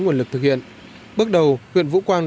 nguồn lực thực hiện bước đầu huyện vũ quang